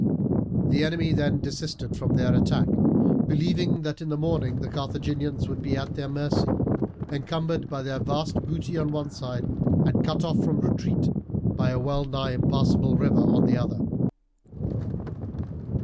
The enemy then desisted from their attack, believing that in the morning the Carthaginians would be at their mercy, encumbered by their vast booty on one side and cut off from retreat by a well nigh impassable river on the other.